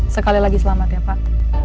sekali lagi selamat ya pak